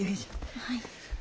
はい。